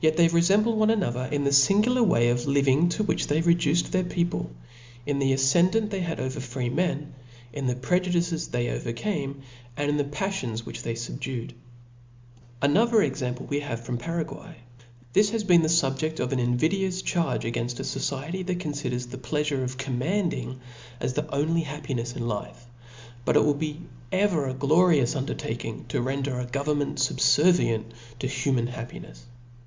they refemble one another in the Angular way of living to which they reduced their people, in the afcendant they had over free men, in the prejudices they overcame, and in the paflions which ihey fubducd> Another example we have from Paraguay* This has been the fubjeft of an invidious charge ag^inft a Society that confiders the pleafure of command ing as the only happinefs in life : but it will be ever a glorious undertaking to render government fub fervient to human happinefs "f*.